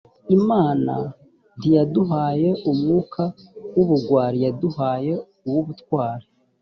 imna ntiyaduhaye umwuka w’ubugwari, yaduhaye uw’ubutwari